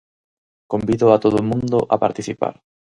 Convido a todo o mundo a participar.